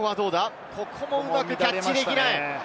ここもうまくキャッチできない。